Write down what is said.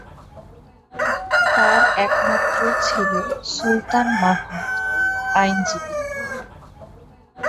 তার একমাত্র ছেলে সুলতান মাহমুদ, আইনজীবী।